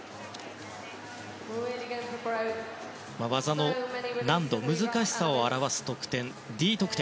技の難度、難しさを表す得点のＤ得点